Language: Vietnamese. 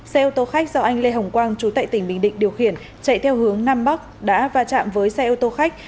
xe ô tô khách do anh lê hồng quang chú tại tỉnh bình định điều khiển chạy theo hướng nam bắc đã va chạm với xe ô tô khách